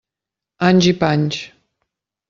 Anys i panys.